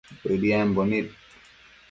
Bëdiambo nid